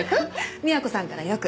美和子さんからよく。